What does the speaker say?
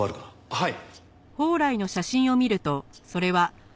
はい。